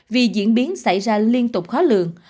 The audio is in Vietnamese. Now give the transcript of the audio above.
vì diễn biến xảy ra liên tục khó lượng